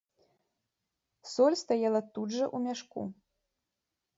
Соль стаяла тут жа ў мяшку.